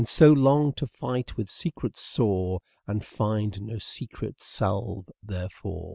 So long to fight with secret sore, And find no secret salve therefor."